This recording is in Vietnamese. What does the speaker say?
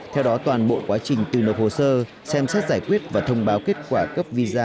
theo đó toàn bộ quá trình từ nộp hồ sơ xem xét giải quyết và thông báo kết quả cấp visa